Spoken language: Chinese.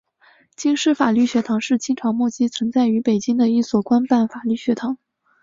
京师法律学堂是清朝末期存在于北京的一所官办法律学堂。